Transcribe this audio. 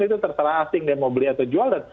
itu terserah asing yang mau beli atau jual